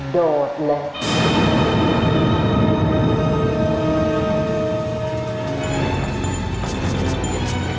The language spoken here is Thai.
โดดแล้ว